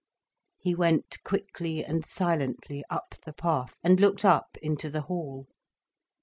He went quickly and silently up the path, and looked up into the hall.